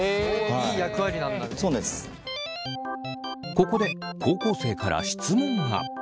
ここで高校生から質問が。